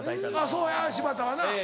そうや柴田はな。